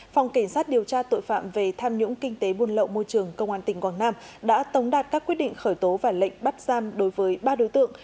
phòng cảnh sát điều tra tội phạm về tham nhũng kinh tế buôn lậu môi trường công an tỉnh quảng nam đã tống đạt các quyết định khởi tố và lệnh bắt giam đối với ba đối tượng